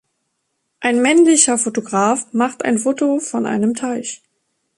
Ein männlicher Fotograf macht ein Foto von einem Teich.